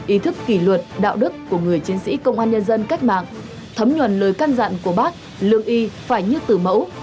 ý thức kỷ luật đạo đức của người chiến sĩ công an nhân dân cách mạng thấm nhuần lời căn dặn của bác lượng y phải như tử mẫu